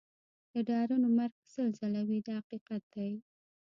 د ډارنو مرګ سل ځله وي دا حقیقت دی.